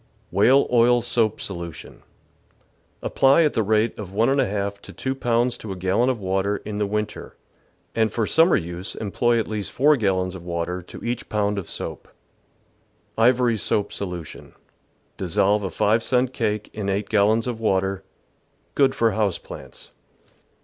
Whale oil soap Solution. — Apply at the rate of ll/o to 2 pounds to a gallon of water in the win ter, and for summer use employ at least 4 gallons of water to each pound of soap. IvoiiY soAP Solution. — Dissolve a five cent cake in 8 gallons of water. Good for house plants.